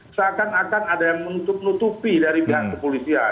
seakan akan ada yang menutupi dari pihak kepolisian